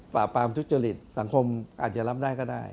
ปราบปรามทุจริตสังคมอาจจะรับได้ก็ได้